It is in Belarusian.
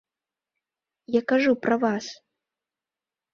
Я кажу пра вас.